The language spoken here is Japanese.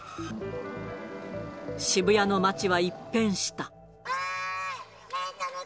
渋谷の街は一変した。